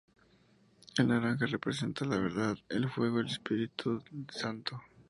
El naranja representa la Verdad, el fuego del Espíritu Santo.